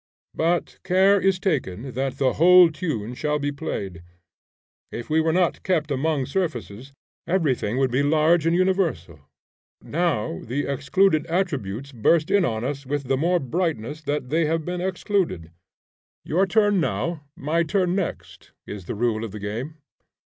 But care is taken that the whole tune shall be played. If we were not kept among surfaces, every thing would be large and universal; now the excluded attributes burst in on us with the more brightness that they have been excluded. "Your turn now, my turn next," is the rule of the game.